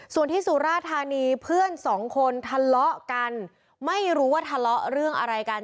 ส่วนที่สุราธานีเพื่อนสองคนทะเลาะกันไม่รู้ว่าทะเลาะเรื่องอะไรกัน